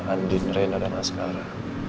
andin reina dan askara